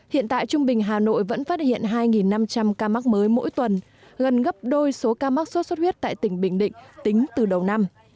hiện tại trung bình hà nội vẫn phát hiện hai năm trăm linh ca mắc mới mỗi tuần gần gấp đôi số ca mắc sốt xuất huyết tại tỉnh bình định tính từ đầu năm